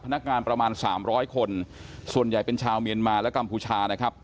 พนักงานประมาณสามร้อยคนส่วนใหญ่เป็นชาวเมียนมาและกัมพูชานะครับ